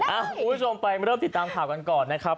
คุณผู้ชมไปเริ่มติดตามข่าวกันก่อนนะครับ